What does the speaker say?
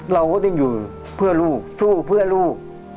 เราก็ต้องอยู่เพื่อลูกสู้เพื่อลูก